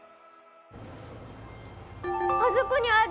あそこにある！